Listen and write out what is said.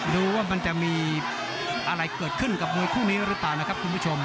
ดูว่ามันจะมีอะไรเกิดขึ้นกับมวยคู่นี้หรือเปล่านะครับคุณผู้ชม